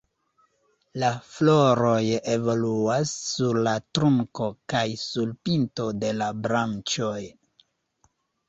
La floroj evoluas sur la trunko kaj sur pinto de la branĉoj.